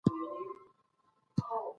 محصلین په ټولنیزو رسنیو کي معلومات شریکوي.